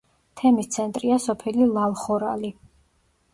თემის ცენტრია სოფელი ლალხორალი.